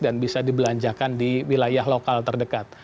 dan bisa dibelanjakan di wilayah lokal terdekat